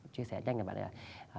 chia sẻ nhanh là bạn ấy là